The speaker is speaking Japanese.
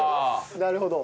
なるほど。